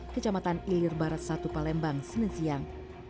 kecamatan ilir barat satu palembang senesiang